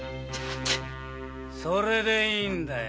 それでいいんだよ！